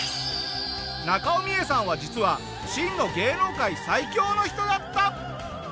中尾ミエさんは実は真の芸能界最強の人だった！